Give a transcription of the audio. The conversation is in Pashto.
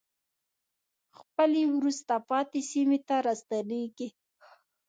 خپلې وروسته پاتې سیمې ته راستنېږي.